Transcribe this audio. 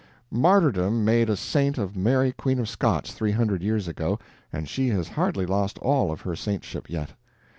Martyrdom made a saint of Mary Queen of Scots three hundred years ago, and she has hardly lost all of her saintship yet.